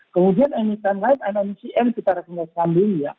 kemudian ini timeline nmcn kita rekomendasi sambilnya